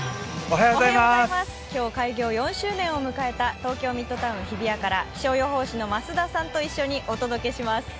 今日開業４周年を迎えた東京ミッドタウン日比谷から気象予報士の増田さんと一緒にお伝えします。